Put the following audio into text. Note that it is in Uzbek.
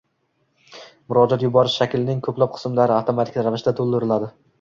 murojaat yuborish shaklining ko‘plab qismlari avtomatik ravishda to‘ldiriladi.